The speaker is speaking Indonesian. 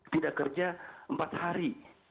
tidak kerja empat hari